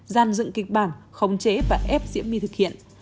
gian dựng kịch bản khống chế và ép diễm my thực hiện